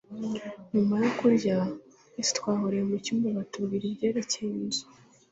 nyuma yo kurya, twese twahuriye mu cyumba batubwira ibyerekeye inzu